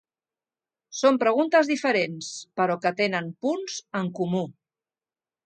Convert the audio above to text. Són preguntes diferents, però que tenen punts en comú.